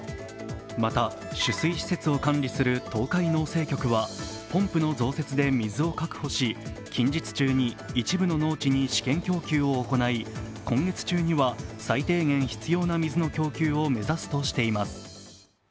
また、取水施設を管理する東海農政局はポンプの増設で水を確保し、近日中に一部の農地に試験供給を行い、今月中には最低限必要な水の供給を目指すとしています。